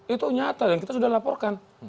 itu nyata dan kita sudah laporkan